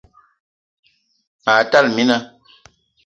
Ma tala mina